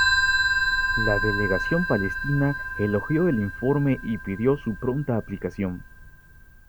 La delegación palestina elogió el informe y pidió su pronta aplicación.